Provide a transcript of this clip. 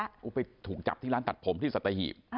อ่าลูกไปถูกจับที่ร้านตัดผมที่สตาหีบ